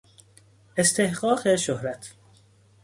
استحقاق شهرت